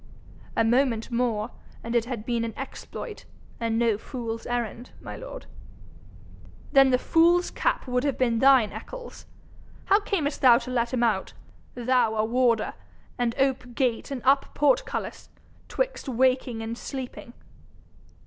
'A moment more, and it had been an exploit, and no fool's errand, my lord.' 'Then the fool's cap would have been thine, Eccles. How earnest thou to let him out? Thou a warder, and ope gate and up portcullis 'twixt waking and sleeping!'